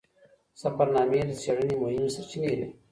سفرنامې د څیړنې مهمې سرچینې دي.